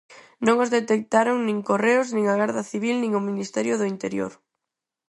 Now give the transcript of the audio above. Non os detectaron nin Correos, nin a Garda Civil nin o Ministerio do Interior.